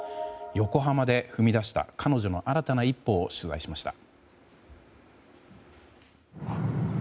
横浜で踏み出した彼女の新たな一歩を取材しました。